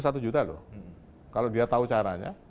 satu juta loh kalau dia tahu caranya